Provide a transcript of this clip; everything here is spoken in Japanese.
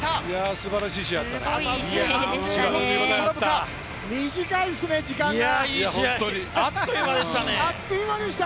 素晴らしい試合だった。